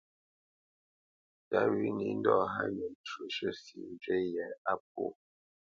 Tǎ wʉ̌ nǐ ndɔ̂ hánya nəshwǔʼshʉ̂ sǐ njywí yě á pwô.